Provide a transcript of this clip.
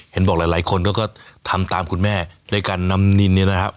เห็นบอกหลายหลายคนก็ก็ทำตามคุณแม่ด้วยการนำนินนี่นะครับ